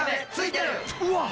うわっ！